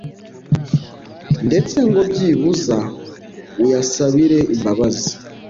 ndetse ngo byibuza uyasabire imbabazi.